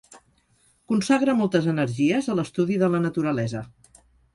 Consagra moltes energies a l'estudi de la naturalesa.